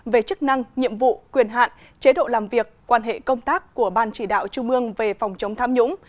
về chức năng nhiệm vụ quyền hạn chế độ làm việc quan hệ công tác của ban chỉ đạo trung ương về phòng chống tham nhũng